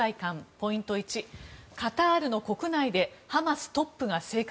ポイント１、カタールの国内でハマストップが生活。